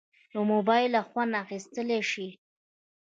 له موبایله خوند اخیستیلی شې.